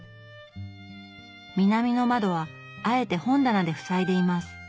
南の窓はあえて本棚で塞いでいます。